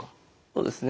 そうですね